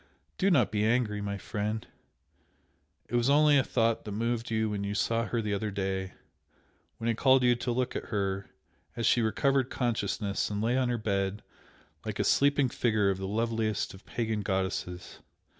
Do not be angry, my friend! it was only a thought that moved you when you saw her the other day when I called you to look at her as she recovered consciousness and lay on her bed like a sleeping figure of the loveliest of pagan goddesses!